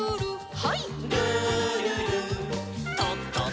はい。